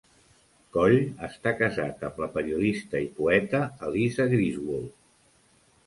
Coll està casat amb la periodista i poeta Eliza Griswold.